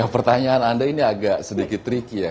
pertanyaan anda ini agak sedikit tricky ya